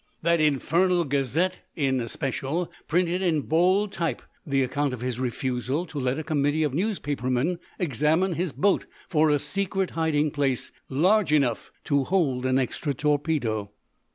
"That infernal 'Gazette,'" in especial, printed, in bold type, the account of his refusal to let a committee of newspapermen examine his boat for a secret hiding place large enough to hold an extra torpedo.